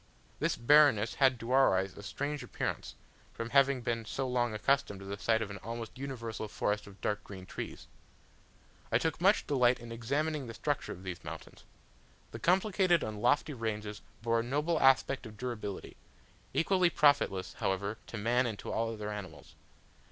This barrenness had to our eyes a strange appearance, from having been so long accustomed to the sight of an almost universal forest of dark green trees. I took much delight in examining the structure of these mountains. The complicated and lofty ranges bore a noble aspect of durability equally profitless, however, to man and to all other animals.